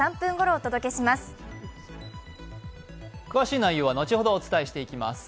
詳しい内容は後ほどお伝えしていきます。